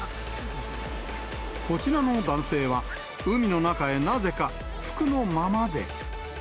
こちらの男性は、海の中へなぜか服のままで。